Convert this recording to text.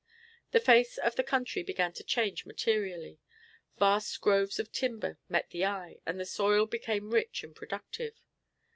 The face of the country began to change materially. Vast groves of timber met the eye, and the soil became rich and productive.